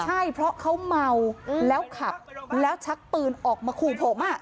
ใช่เพราะเขาเมาแล้วขับแล้วชักปืนออกมาขู่ผม